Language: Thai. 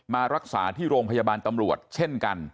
มารักษาที่โรงพยาบาลตำรวจเช่นกัน